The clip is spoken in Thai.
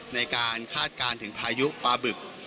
คาดการณ์ถึงพายุปลาบึก